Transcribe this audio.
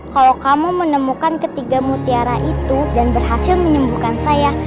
kalau kamu menemukan ketiga mutiara itu dan berhasil menyembuhkan saya